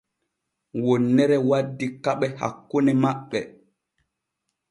Wonnere waddi keɓe hakkune maɓɓe.